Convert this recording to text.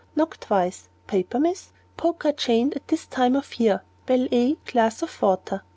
Knock twice. Paper, miss? Poker chained at this time of year. Bell A, glass of water.